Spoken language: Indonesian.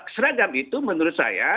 seragam itu menurut saya